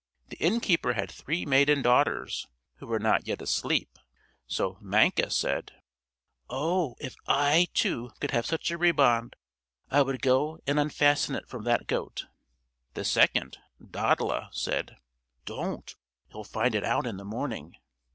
The innkeeper had three maiden daughters, who were not yet asleep. So Manka said: "Oh! if I, too, could have such a riband! I will go and unfasten it from that goat." The second, Dodla, said: "Don't; he'll find it out in the morning."